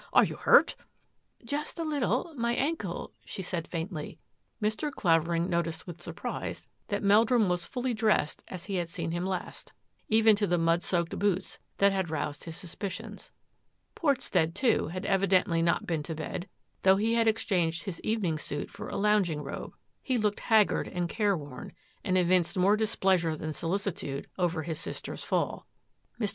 Are you hurt?" " Just a little — my ankle," she said faintly. Mr. Clavering noticed with surprise that Mel drum was fully dressed as he had seen him last, even to the mud soaked boots that had roused his sus picions. Portstead, too, had evidently not been to bed, though he had exchanged his evening suit for a lounging robe. He looked haggard and care worn, and evinced more displeasure than solicitude over his sister's fall. Mr.